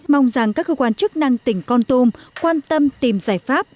mong rằng các cơ quan chức năng tỉnh con tum quan tâm tìm giải pháp